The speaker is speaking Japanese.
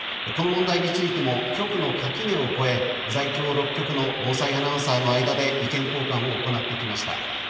この問題についても局の垣根を越え在京６局の防災アナウンサーの間で意見交換を行ってきました。